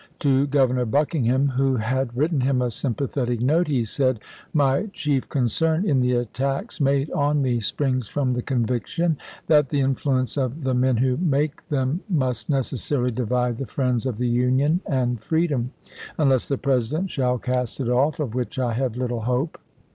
To Governor Buckingham, who had written him a sympathetic note, he said :" My chief concern in the attacks made on me springs from the conviction that the influence of the men who make them must necessarily divide the friends of the Union and freedom, unless the President shall cast it off, of which I have little hope.